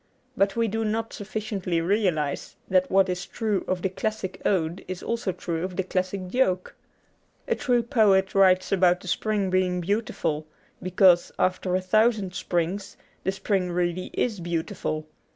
But we do not sufficiently realize that what is true of the classic ode is also true of the classic joke. A true poet writes about the spring being beautiful because (after a thousand springs) the spring really is beautiful.